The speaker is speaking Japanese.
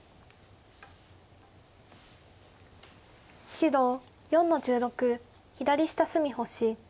白４の十六左下隅星。